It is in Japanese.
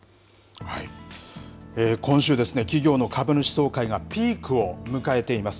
今週、企業の株主総会がピークを迎えています。